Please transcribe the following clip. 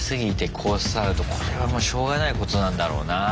これはまあしょうがないことなんだろうな。